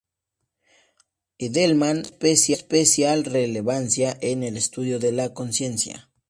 Edelman tenía especial relevancia en el estudio de la conciencia.